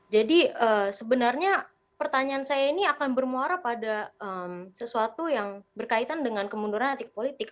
jadi sebenarnya pertanyaan saya ini akan bermuara pada sesuatu yang berkaitan dengan kemunduran etik politik